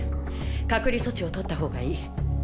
隔離措置をとった方がいい。